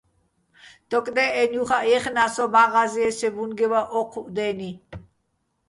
დოკდე́ჸენო̆ ჲუხაჸ ჲეხნა́ს ო მა́ღაზიე სეჲ ბუნგევაჸ ო́ჴუჸ დე́ნი.